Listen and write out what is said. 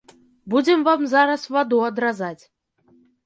Будзем вам зараз ваду адразаць.